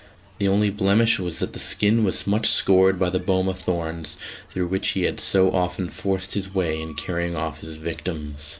The only blemish was that the skin was much scored by the boma thorns through which he had so often forced his way in carrying off his victims.